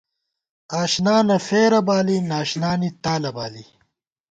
آشانہ فېرہ بالی، ناشنانی تالہ بالی